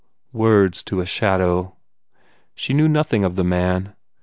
Words to a shadow. She knew noth ng of the man.